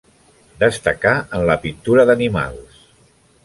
Destacà en la pintura d'animals.